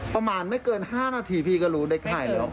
ประมาณไม่เกิน๕นาทีพี่ก็รู้เด็กหายแล้ว